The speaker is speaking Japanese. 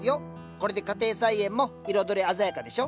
これで家庭菜園も彩り鮮やかでしょ？